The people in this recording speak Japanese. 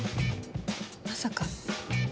まさか。